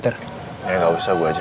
enggak usah gue aja